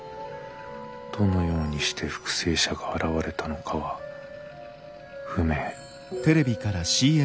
どのようにして復生者が現れたのかは不明」。